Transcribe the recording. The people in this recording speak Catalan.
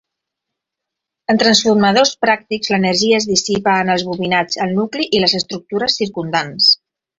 En transformadors pràctics l'energia es dissipa en els bobinats, el nucli, i les estructures circumdants.